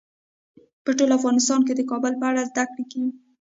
په ټول افغانستان کې د کابل په اړه زده کړه کېږي.